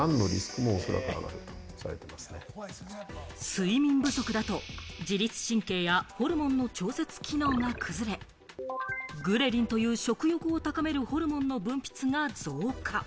睡眠不足だと、自律神経やホルモンの調節機能が崩れ、グレリンという食欲を高めるホルモンの分泌が増加。